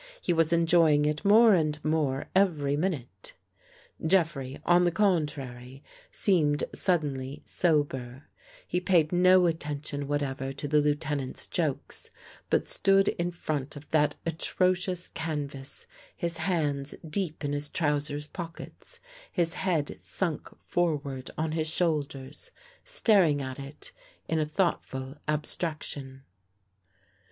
He was enjoying it more and more every minute. Jeffrey, on the contrary, seemed suddenly sober. 88 THE FACE UNDER THE PAINT He paid no attention whatever to the Lieutenant's jokes, but sti^od in front of that atrocious canvas, his hands deep in his trousers' pockets, his head sunk forward on his shoulders, staring at it in a thought ful abstraction.